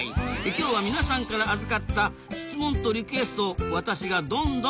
今日は皆さんから預かった質問とリクエストを私がどんどんお伝えしていきますぞ！